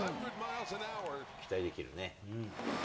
期待できるね。